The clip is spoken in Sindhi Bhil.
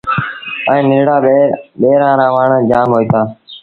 ائيٚݩ ننڍڙآ ٻيرآن رآ وڻ جآم هوئيٚتآ۔